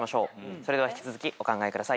それでは引き続きお考えください。